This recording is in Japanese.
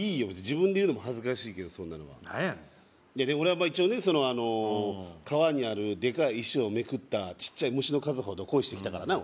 自分で言うのも恥ずかしいけどそんなのは何やねん俺はまあ一応ねそのあの川にあるデカイ石をめくったちっちゃい虫の数ほど恋してきたからな